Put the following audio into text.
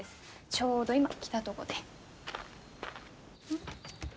ちょうど今来たとごで。